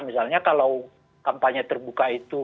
misalnya kalau kampanye terbuka itu